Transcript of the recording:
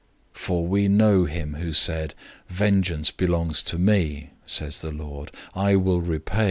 010:030 For we know him who said, "Vengeance belongs to me," says the Lord, "I will repay."